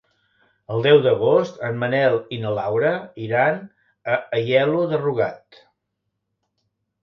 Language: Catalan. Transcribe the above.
El deu d'agost en Manel i na Laura iran a Aielo de Rugat.